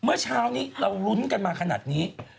เมื่อเช้านี้เรารุ้นกันมาขนาดนี้